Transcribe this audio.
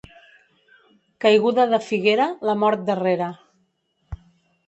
Caiguda de figuera, la mort darrere.